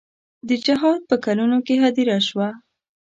د جهاد په کلونو کې هدیره شوه.